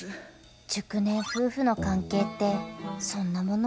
熟年夫婦の関係ってそんなもの？